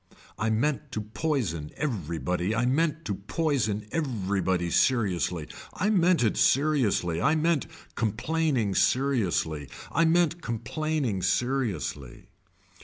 I meant to poison everybody I meant to poison everybody seriously, I meant it seriously I meant complaining seriously, I meant complaining seriously.